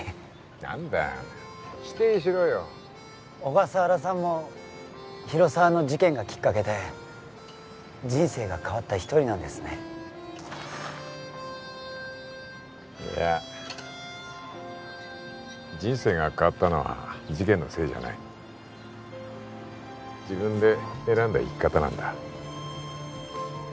何だよ否定しろよ小笠原さんも広沢の事件がきっかけで人生が変わった一人なんですねいや人生が変わったのは事件のせいじゃない自分で選んだ生き方なんだ